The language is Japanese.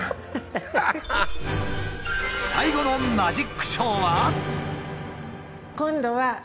最後のマジックショーは。